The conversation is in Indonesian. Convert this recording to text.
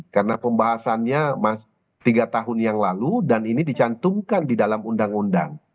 karena pembahasannya tiga tahun yang lalu dan ini dicantumkan di dalam undang undang